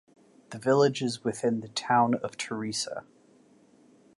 The village is within the Town of Theresa.